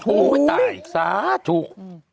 โอ้โหสัสสุก